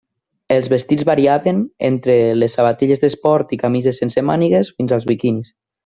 Els vestits variaven entre les sabatilles d'esport i camises sense mànigues fins als biquinis.